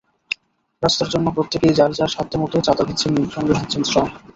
রাস্তার জন্য প্রত্যেকেই যাঁর যাঁর সাধ্যমতো চাঁদা দিচ্ছেন, সঙ্গে দিচ্ছেন শ্রম।